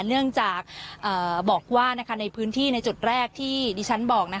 เนื่องจากบอกว่าในพื้นที่ในจุดแรกที่ดิฉันบอก